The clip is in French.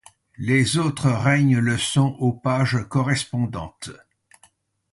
Les autres règnes le sont aux pages correspondantes.